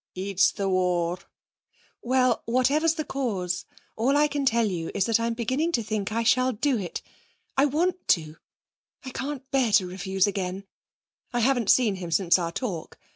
'It's the war.' 'Well, whatever's the cause, all I can tell you is that I'm beginning to think I shall do it! I want to!... I can't bear to refuse again. I haven't seen him since our talk.